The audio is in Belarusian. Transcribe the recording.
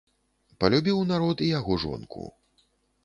Палюбіў народ і яго жонку.